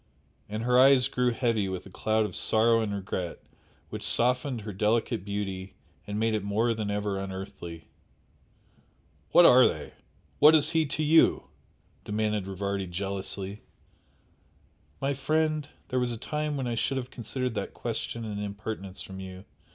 And her eyes grew heavy with a cloud of sorrow and regret which softened her delicate beauty and made it more than ever unearthly. "What are they what is HE to you?" demanded Rivardi jealously. "My friend, there was a time when I should have considered that question an impertinence from you!"